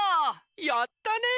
やったね！